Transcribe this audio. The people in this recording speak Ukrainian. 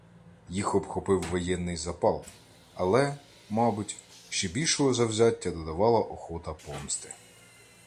Їх обхопив воєнний запал, але, мабуть, ще більшого завзяття додавала охота помсти.